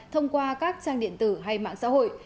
thông qua các trang điện tử hay mạng xã hội